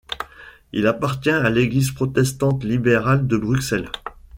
Il appartient à l'Église protestante libérale de Bruxelles.